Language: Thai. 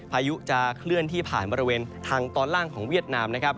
พายุจะเคลื่อนที่ผ่านบริเวณทางตอนล่างของเวียดนามนะครับ